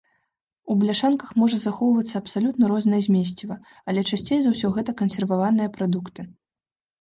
У бляшанках можа захоўвацца абсалютна рознае змесціва, але часцей за ўсё гэта кансерваваныя прадукты.